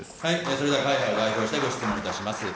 それでは会派を代表してご質問をいたします。